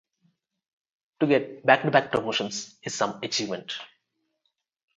To get back to back promotions is some achievement.